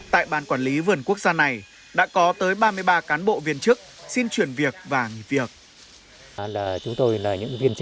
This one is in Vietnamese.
tại ban quản lý vườn quốc gia này đã có tới ba mươi ba cán bộ viên chức xin chuyển việc và nghỉ việc